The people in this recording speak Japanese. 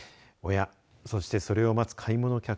親、そしてそれを待つ買い物客。